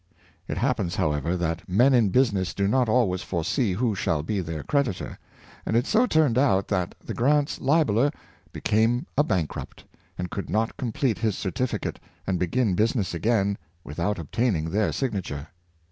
It happens, however, that men in business do not always foresee who shall be their creditor, and it so turned out that the Grants' libeller became a bankrupt, and could not complete his certificate and begin business again with out obtaining their signature.